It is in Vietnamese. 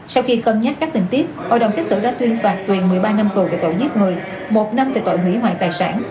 sau khi cân nhắc các tình tiết hội đồng xét xử đã tuyên phạt tuyền một mươi ba năm tù về tội giết người một năm về tội hủy hoại tài sản